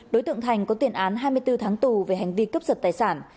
đối tượng thành có tiền án hai mươi bốn tháng tù về hành vi cấp sật tài sản